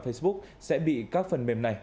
facebook sẽ bị các phần mềm này